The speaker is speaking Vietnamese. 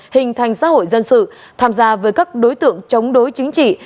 hình thành xã hội dân sự tham gia với các đối tượng chống đối chính trị